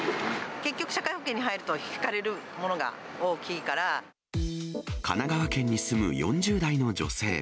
結局、社会保険に入ると引か神奈川県に住む４０代の女性。